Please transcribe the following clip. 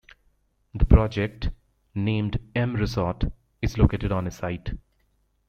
The project, named "M Resort", is located on a site.